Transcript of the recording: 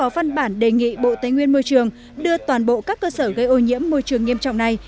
văn bản đề nghị bộ tây nguyên môi trường đưa toàn bộ các cơ sở gây ô nhiễm môi trường nghiêm trọng này